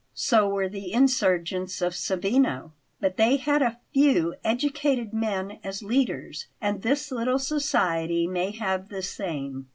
"So were the insurgents of Savigno; but they had a few educated men as leaders, and this little society may have the same.